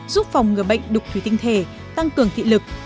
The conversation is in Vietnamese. giúp phòng ngừa bệnh đục thủy tinh thể tăng cường thị lực